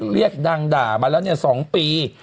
เรียกนางด่ามาแล้วเนี่ย๒ปี